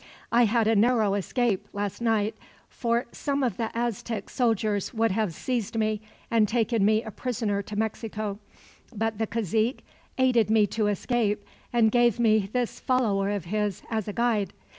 "I had a narrow escape, last night, for some of the Aztec soldiers would have seized me and taken me a prisoner to Mexico; but the cazique aided me to escape, and gave me this follower of his, as a guide.